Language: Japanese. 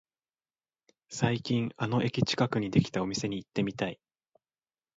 最近あの駅近くにできたお店に行ってみたい